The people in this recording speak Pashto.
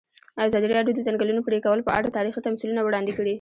ازادي راډیو د د ځنګلونو پرېکول په اړه تاریخي تمثیلونه وړاندې کړي.